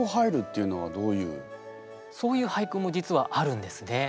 そういう俳句も実はあるんですね。